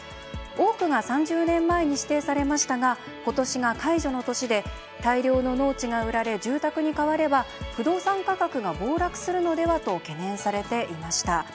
多くが３０年前に指定されましたがことしが解除の年で大量の農地が売られ住宅に変われば不動産価格が暴落するのではと懸念されていました。